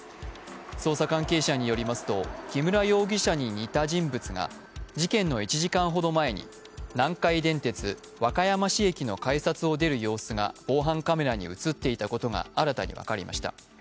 捜査関係者によりますと、木村容疑者に似た人物が事件の１時間ほど前に、南海電鉄和歌山市駅の改札を出る様子が防犯カメラに写っていたことが新たに分かりました。